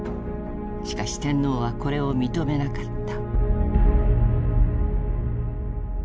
しかし天皇はこれを認めなかった。